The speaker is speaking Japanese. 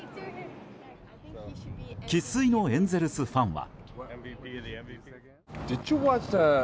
生粋のエンゼルスファンは。